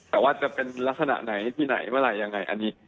แต่ว่าจะเป็นลักษณะไหนที่ไหนเมื่อไร